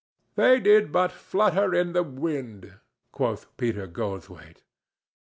"They did but flutter in the wind," quoth Peter Goldthwaite.